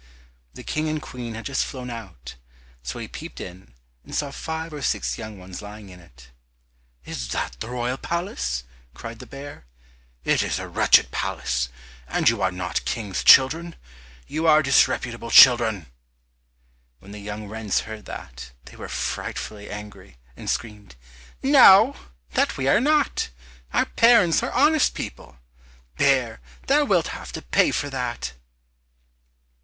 The King and Queen had just flown out, so he peeped in and saw five or six young ones lying in it. "Is that the royal palace?" cried the bear; "it is a wretched palace, and you are not King's children, you are disreputable children!" When the young wrens heard that, they were frightfully angry, and screamed, "No, that we are not! Our parents are honest people! Bear, thou wilt have to pay for that!"